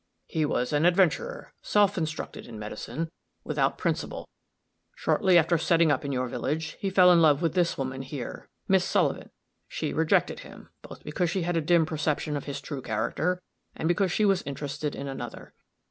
"He was an adventurer, self instructed in medicine, without principle. Shortly after setting up in your village, he fell in love with this woman here Miss Sullivan. She rejected him; both because she had a dim perception of his true character, and because she was interested in another.